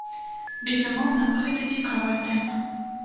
Безумоўна, гэта цікавая тэма.